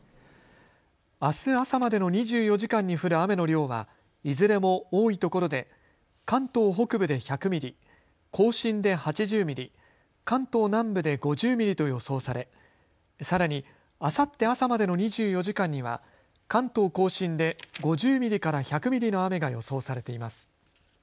あす朝までの２４時間に降る雨の量はいずれも多いところで関東北部で１００ミリ、甲信で８０ミリ、関東南部で５０ミリと予想されさらにあさって朝までの２４時間には関東甲信で５０ミリから１００ミリの雨が予想されています。